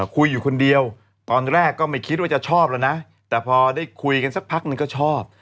คุยอยู่คนเดียวตอนแรกก็ไม่คิดว่าจะชอบแล้วนะแต่พอได้คุยกันสักพักนึงก็ชอบ